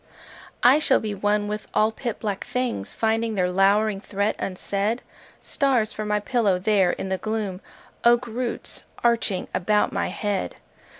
I shall be one with all pit black things Finding their lowering threat unsaid: Stars for my pillow there in the gloom,— Oak roots arching about my head!